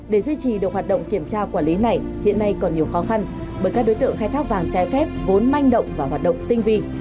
để duy trì được hoạt động kiểm tra quản lý này hiện nay còn nhiều khó khăn bởi các đối tượng khai thác vàng trái phép vốn manh động và hoạt động tinh vi